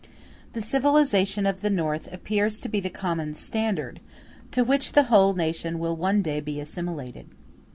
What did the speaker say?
The civilization of the North appears to be the common standard, to which the whole nation will one day be assimilated.